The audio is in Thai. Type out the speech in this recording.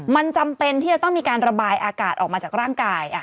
มันจำเป็นที่จะต้องมีการระบายอากาศออกมาจากร่างกาย